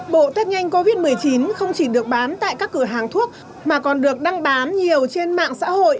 bộ test nhanh covid một mươi chín không chỉ được bán tại các cửa hàng thuốc mà còn được đăng bán nhiều trên mạng xã hội